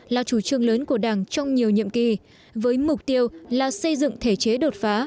là chủ trương lớn của đảng trong nhiều nhiệm kỳ với mục tiêu là xây dựng thể chế đột phá